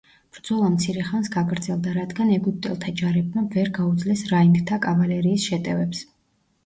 ბრძოლა მცირე ხანს გაგრძელდა, რადგან ეგვიპტელთა ჯარებმა ვერ გაუძლეს რაინდთა კავალერიის შეტევებს.